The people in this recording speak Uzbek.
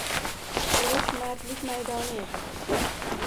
Urush mardlik maydoni edi